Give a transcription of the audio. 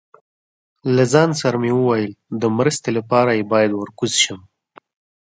له ځان سره مې وویل، د مرستې لپاره یې باید ور کوز شم.